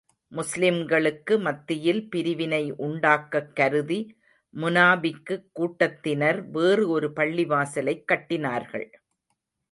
முஸ்லிம்களுக்கு மத்தியில் பிரிவினை உண்டாக்கக் கருதி முனாபிக்குக் கூட்டத்தினர் வேறு ஒரு பள்ளிவாசலைக் கட்டினார்கள்.